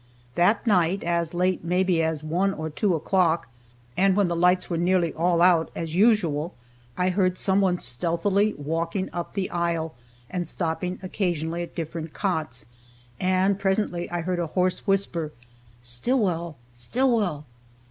That night, as late maybe as one or two o'clock, and when the lights were nearly all out, as usual, I heard some one stealthily walking up the aisle, and stopping occasionally at different cots, and presently I heard a hoarse whisper, "Stillwell! Stillwell!"